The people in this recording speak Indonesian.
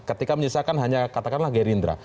ketika menyisakan hanya katakanlah gerindra